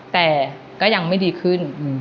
แต่ก็ยังไม่ดีขึ้น